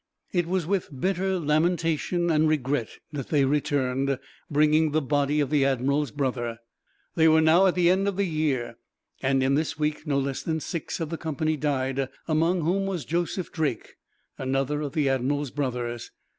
It was with bitter lamentation and regret that they returned, bringing the body of the admiral's brother. They were now at the end of the year, and in this week no less than six of the company died, among whom was Joseph Drake, another of the admiral's brothers.